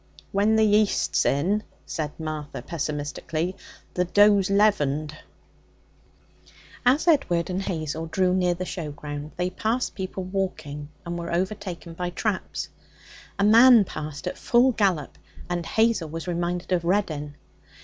'When the yeast's in,' said Martha pessimistically, 'the dough's leavened!' As Edward and Hazel drew near the show ground they passed people walking and were overtaken by traps. A man passed at full gallop, and Hazel was reminded of Reddin.